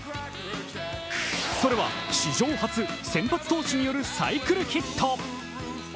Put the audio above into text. それは史上初、先発投手によるサイクルヒット。